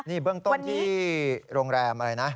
นี่เบื้องต้นที่โรงแรมอะไรนะ